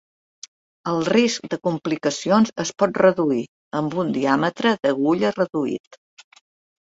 El risc de complicacions es pot reduir amb un diàmetre d'agulla reduït.